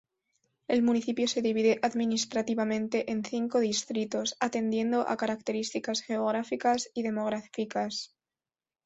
El municipio se divide administrativamente en cinco distritos, atendiendo a características geográficas y demográficas.